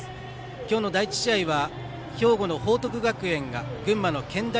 今日の第１試合は兵庫の報徳学園が群馬の健大